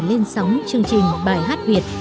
lên sóng chương trình bài hát việt